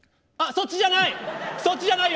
そっちじゃない！